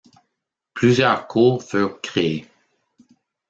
Plusieurs cours furent créées.